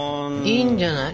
いいんじゃない？